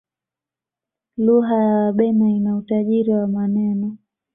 lugha ya wabena ina utajiri wa maneno